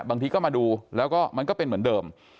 บางทีก็มาดูแล้วก็มันก็เป็นเหมือนเดิม